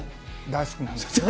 大好きなんですよ。